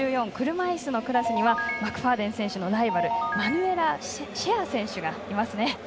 車いすのクラスにはマクファーデン選手のライバルマヌエラ・シェア選手がいますね。